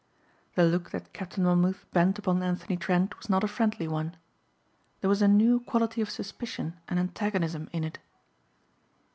The look that Captain Monmouth bent upon Anthony Trent was not a friendly one. There was a new quality of suspicion and antagonism in it.